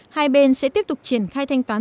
hai bên sẽ tiếp tục triển khai thanh toán